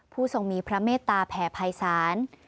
ทรงมีพระเมตตาแผ่ภัยศาล